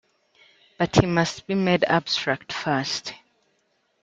But he must be made abstract first.